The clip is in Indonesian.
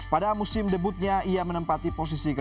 pada musim debutnya ia menempati posisi ke enam